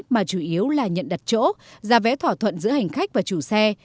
mà chủ yếu là nhận đặt chỗ giá vé thỏa thuận giữa hành khách và chủ xe